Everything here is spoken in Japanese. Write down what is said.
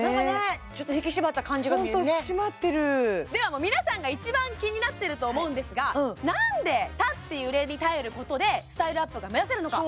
ちょっと引き締まった感じが見えるねではもう皆さんが一番気になってると思うんですが何で立って揺れに耐えることでスタイルアップが目指せるのか？